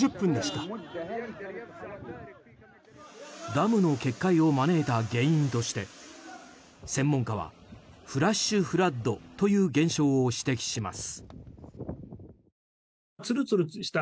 ダムの決壊を招いた原因として専門家はフラッシュフラッドという現象を指摘します。